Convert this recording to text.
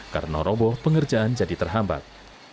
karena roboh pengerjaan jadi terhambat